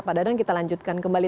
pak dadang kita lanjutkan kembali